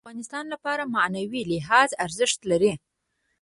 یاقوت د افغانانو لپاره په معنوي لحاظ ارزښت لري.